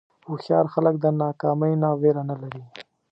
هوښیار خلک د ناکامۍ نه وېره نه لري.